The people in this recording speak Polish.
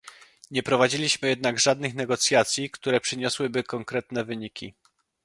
Nie prowadziliśmy jednak żadnych negocjacji, które przyniosłyby konkretne wyniki